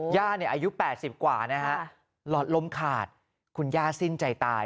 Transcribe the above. ย่าเนี้ยอายุแปดสิบกว่านะฮะหลอดลมขาดคุณย่าสิ้นใจตาย